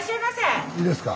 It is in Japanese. いいですか？